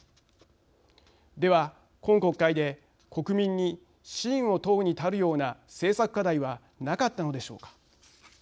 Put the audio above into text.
では、今国会で国民に信を問うに足るような政策課題はなかったのでしょうか。